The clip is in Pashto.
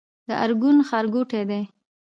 د ارګون ښارګوټی دی